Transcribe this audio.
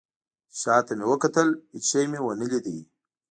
شاته مې وکتل. هیڅ شی مې ونه لید